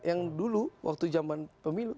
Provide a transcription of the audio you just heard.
yang dulu waktu zaman pemilu